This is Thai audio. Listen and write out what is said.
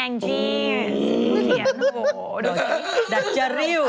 สิ่งที่เขียนโอ้โฮ